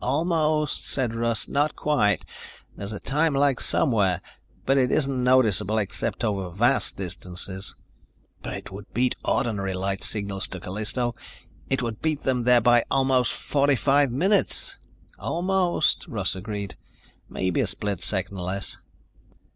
"Almost," said Russ. "Not quite. There's a time lag somewhere. But it isn't noticeable except over vast distances." "But it would beat ordinary light signals to Callisto. It would beat them there by almost 45 minutes." "Almost," Russ agreed. "Maybe a split second less."